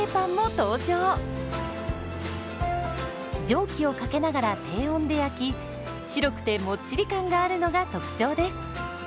蒸気をかけながら低温で焼き白くてもっちり感があるのが特徴です。